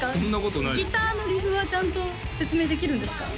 ギターのリフはちゃんと説明できるんですか？